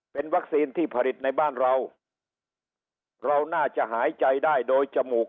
เป็นวัคซีนที่ผลิตในบ้านเราเราน่าจะหายใจได้โดยจมูก